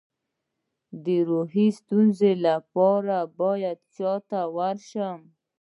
د روحي ستونزو لپاره باید چا ته لاړ شم؟